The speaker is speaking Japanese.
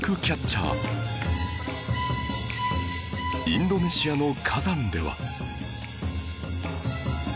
インドネシアの火山では